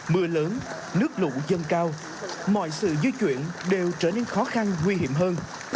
mưa lớn nước lũ dâng cao mọi sự di chuyển đều trở nên khó khăn nguy hiểm hơn